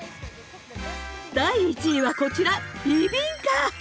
第１位はこちらビビンカ。